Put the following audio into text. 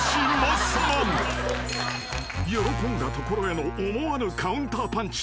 ［喜んだところへの思わぬカウンターパンチ］